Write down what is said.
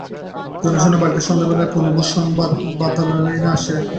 জনশূন্য বাড়িতে সন্ধ্যাবেলায় ফণিভূষণ বাতায়নতলে আসিয়া বসিল।